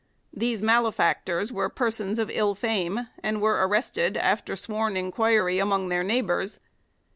These malefactors were persons of ill fame and were arrested after sworn inquiry among their neighbours.